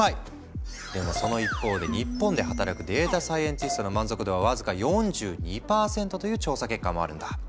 でもその一方で日本で働くデータサイエンティストの満足度は僅か４２％という調査結果もあるんだ。